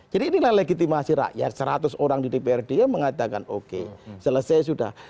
jadi inilah legitimasi rakyat seratus orang di dprd mengatakan oke selesai sudah